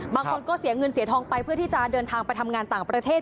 บางคนก็เสียเงินเสียทองไปเพื่อที่จะเดินทางไปทำงานต่างประเทศ